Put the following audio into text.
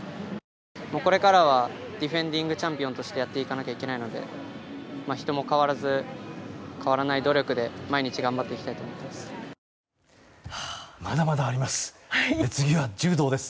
これからはディフェンディングチャンピオンとしてやっていかなきゃいけないので人も変わらず変わらない努力で、毎日頑張っていきたいと思います。